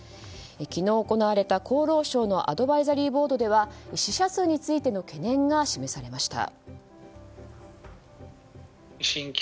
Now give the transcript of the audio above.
昨日行われた、厚労省のアドバイザリーボードでは死者数についての懸念が示されました。